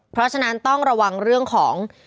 เพราะฉะนั้นต้องระวังเรื่องของ